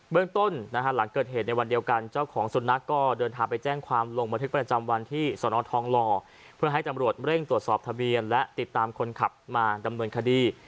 เรื่องต้นหลังเกิดเหตุในวันเดียวกันเจ้าของสุนัขก็เดินทางไปแจ้งความลงบันทึกประจำวันที่สนทองหล่อเพื่อให้ตำรวจเร่งตรวจสอบทะเบียนและติดตามคนขับมาดำเนินคดี